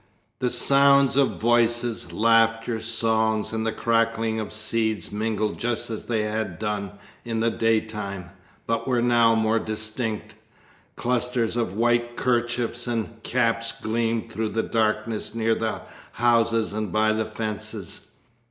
The sounds of voices, laughter, songs, and the cracking of seeds mingled just as they had done in the daytime, but were now more distinct. Clusters of white kerchiefs and caps gleamed through the darkness near the houses and by the fences.